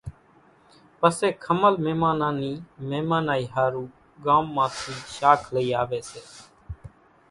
پسي کمل ميمانان نِي ميمنائِي ۿارُو ڳام مان ٿِي شاک لئِي آويَ سي۔